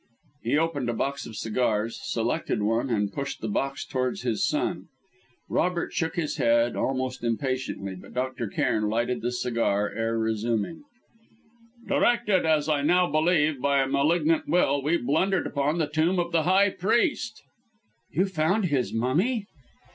He opened a box of cigars, selected one, and pushed the box towards his son. Robert shook his head, almost impatiently, but Dr. Cairn lighted the cigar ere resuming: "Directed, as I now believe, by a malignant will, we blundered upon the tomb of the high priest " "You found his mummy?"